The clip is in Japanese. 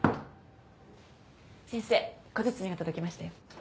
先生小包が届きましたよ。